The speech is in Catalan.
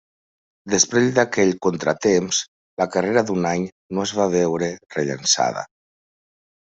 Després d'aquell contratemps la carrera d'Unai no es va veure rellançada.